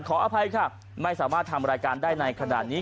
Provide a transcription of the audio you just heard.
ขออภัยค่ะไม่สามารถทำรายการได้ในขณะนี้